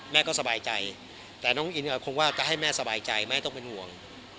แม่ก็สบายใจแต่น้องอินก็คงว่าจะให้แม่สบายใจแม่ต้องเป็นห่วง